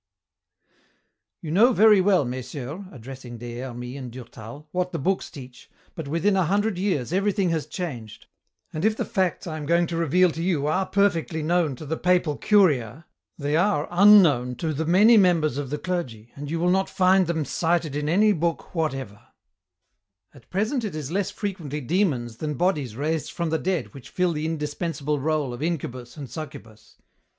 "You know very well, messieurs," addressing Des Hermies and Durtal, "what the books teach, but within a hundred years everything has changed, and if the facts I am are unknown to the many members of the clergy, and you will not find them cited in any book whatever. "At present it is less frequently demons than bodies raised from the dead which fill the indispensable rôle of incubus and succubus.